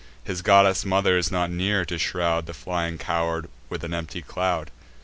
His goddess mother is not near, to shroud The flying coward with an empty cloud."